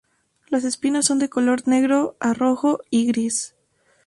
Las espinas son de color negro a rojo y gris.